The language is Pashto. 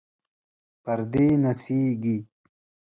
پردې نڅیږي